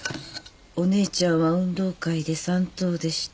「おねえちゃんは運動会で３等でした」